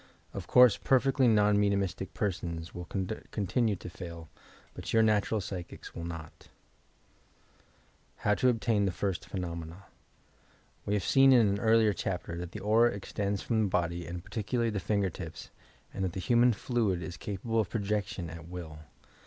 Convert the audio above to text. (Of course, perfectly Qon mediumistic persons will con tinue to fail, bat natural psychics will not.) 3 YOUR PSYCHIC POWERS HOW TO OBTAIN THE FIRST PHENOMENA We have Been in an earlier chapter that the aura extends from the body and particularly the 6nger tips, and that this human fluid ia capable of projection at will.